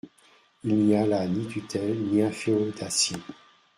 Il n’y a là ni tutelle, ni inféodation.